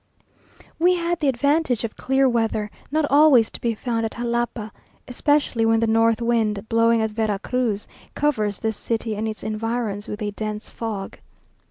We had the advantage of clear weather, not always to be found at Jalapa, especially when the north wind, blowing at Vera Cruz, covers this city and its environs with a dense fog.